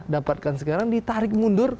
dapatkan sekarang ditarik mundur